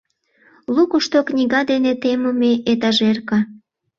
Лукышто книга дене темыме этажерка.